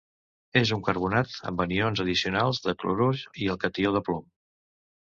És un carbonat amb anions addicionals de clorur i el catió de plom.